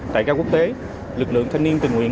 tại cao quốc tế lực lượng thanh niên tình nguyện